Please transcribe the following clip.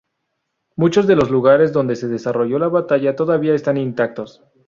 Muchos de los lugares donde se desarrolló la batalla todavía están intactos.